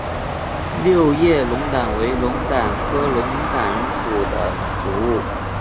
六叶龙胆为龙胆科龙胆属的植物。